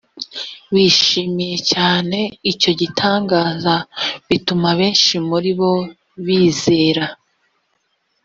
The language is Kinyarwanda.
bishimiye cyane icyo gitangaza bituma benshi muri bo bizera